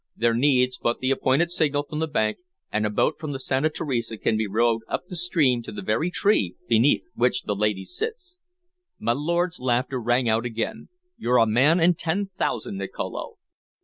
There needs but the appointed signal from the bank, and a boat from the Santa Teresa can be rowed up the stream to the very tree beneath which the lady sits." My lord's laughter rang out again. "You're a man in ten thousand, Nicolo!